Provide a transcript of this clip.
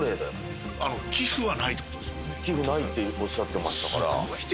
寄付ないっておっしゃってましたから。